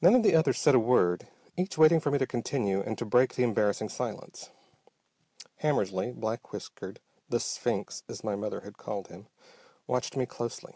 None of the others said a word, each waiting for me to continue and to break the embarrassing silence. Hammersly, black whiskered, the "sphinx" as my mother had called him, watched me closely.